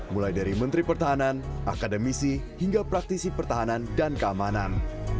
mulai dari menteri pertahanan akademisi hingga praktisi pertahanan dan keamanan